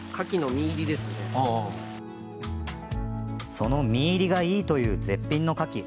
その身入りがいいという絶品のかき。